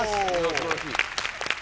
素晴らしい！